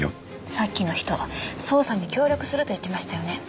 さっきの人捜査に協力すると言ってましたよね。